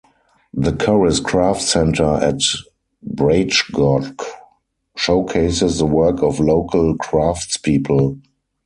The Corris Craft Centre at Braichgoch showcases the work of local craftspeople.